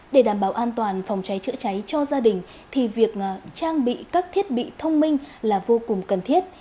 để đảm bảo an toàn phòng cháy chữa cháy cho gia đình thì việc trang bị các thiết bị thông minh là vô cùng cần thiết